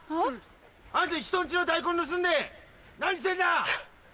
アンタ人ん家の大根盗んで何してんだ！